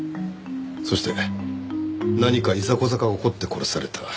そして何かいざこざが起こって殺された。